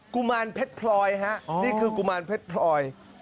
กุมารเพชรพลอยฮะนี่คือกุมารเพชรพลอย